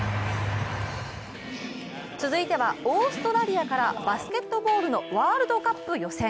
続いてはオーストラリアからバスケットボールのワールドカップ予選。